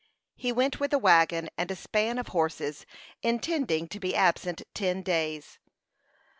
He went with a wagon and a span of horses, intending to be absent ten days.